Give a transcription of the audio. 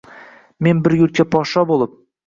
Men bir yurtga podshoh bo’lib